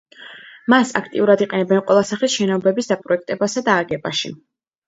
მას აქტიურად იყენებენ ყველა სახის შენობების დაპროექტებასა და აგებაში.